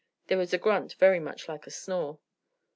There was a grunt very much like a snore.